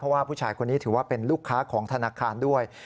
เพราะว่าผู้ชายคนนี้ถือว่าเป็นลูกค้าของธนาคารด้วย